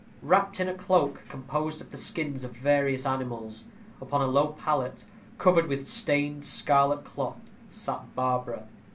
Wrapped in a cloak composed of the skins of various animals, upon a low pallet, covered with stained scarlet cloth, sat Barbara.